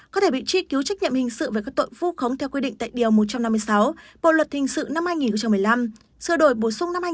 có thể bị truy cứu trách nhiệm hình sự về các tội vu khống theo quy định tại điều một trăm năm mươi sáu bộ luật hình sự năm hai nghìn một mươi năm sửa đổi bổ sung năm hai nghìn một mươi